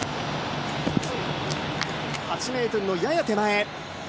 ８ｍのやや手前。